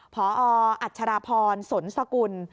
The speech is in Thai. พออัชรพรสนสกุล